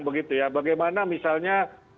begitu ya bagaimana misalnya